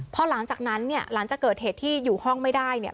เพราะหลังจากนั้นหลังจากเกิดเหตุที่อยู่ห้องไม่ได้